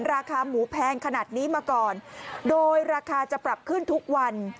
ราคาหมูแพงขนาดนี้มาก่อนโดยราคาจะปรับขึ้นทุกวัน